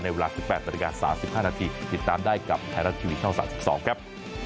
ในเวลา๑๘นาฬิกา๓๕นาทีติดตามได้กับไทยรัติวิทย์๒๐๑๒ครับ